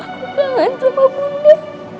aku kangen sama bunda